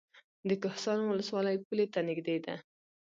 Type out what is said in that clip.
د کهسان ولسوالۍ پولې ته نږدې ده